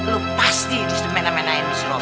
lo pasti disemen menain si robi